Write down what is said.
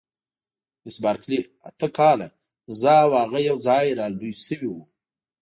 مس بارکلي: اته کاله، زه او هغه یوځای را لوي شوي وو.